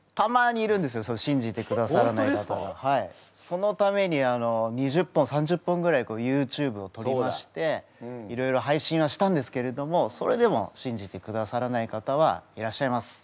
そのために２０本３０本ぐらいＹｏｕＴｕｂｅをとりましていろいろ配信はしたんですけれどもそれでも信じてくださらない方はいらっしゃいます。